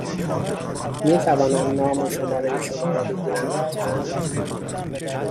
می توانم نام و شماره شما را بگیرم، لطفا؟